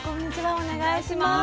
お願いします。